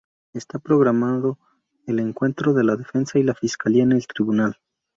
Está programado el encuentro de la defensa y la Fiscalía en el tribunal.